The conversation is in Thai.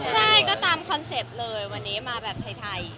ใช่ก็ตามคอนเซ็ปต์เลยวันนี้มาแบบไทย